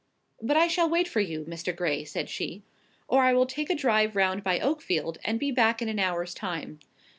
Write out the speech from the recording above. "But I shall wait for you, Mr. Gray," said she. "Or I will take a drive round by Oakfield, and be back in an hour's time."